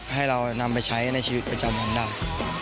ให้เรานำไปใช้ในชีวิตประจำวันได้